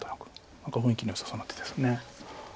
何か雰囲気のよさそうな手です。